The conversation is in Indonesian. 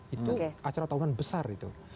itu acara tahunan besar itu